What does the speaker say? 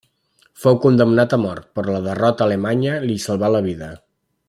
Fou condemnat a mort, però la derrota alemanya li salvà la vida.